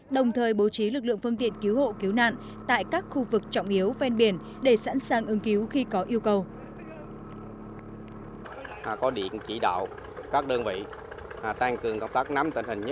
đồng thời bố trí lực lượng phương tiện cứu hộ cứu nạn tại các khu vực trọng yếu ven biển để sẵn sàng ứng cứu khi có yêu cầu